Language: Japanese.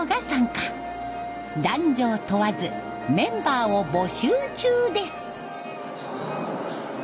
男女を問わずメンバーを募集中です。